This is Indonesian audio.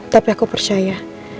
tapi aku percaya